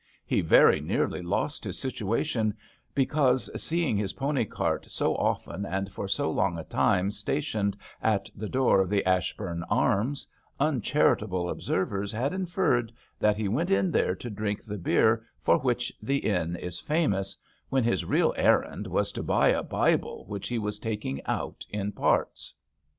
He very nearly lost his situation because, seeing his pony cart so often and for so long a time stationed at the door of the " Ashbourn Arms," uncharitable observers had inferred that he went in there to drink the beer for which the inn is famous, when his real errand was to buy a Bible which he was taking out in parts.